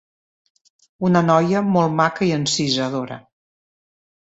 Una noia molt maca i encisadora.